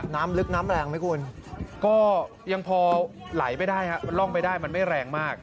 น้ำลึกน้ำแรงไหมคุณก็ยังพอไหลไปได้ครับมันล่องไปได้มันไม่แรงมาก